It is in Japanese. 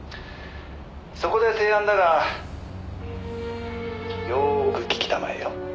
「そこで提案だがよく聞きたまえよ」